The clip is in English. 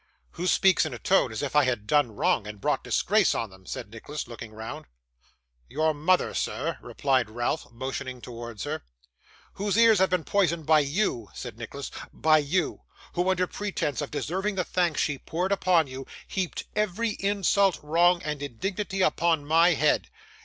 'Who speaks in a tone, as if I had done wrong, and brought disgrace on them?' said Nicholas, looking round. 'Your mother, sir,' replied Ralph, motioning towards her. 'Whose ears have been poisoned by you,' said Nicholas; 'by you who, under pretence of deserving the thanks she poured upon you, heaped every insult, wrong, and indignity upon my head.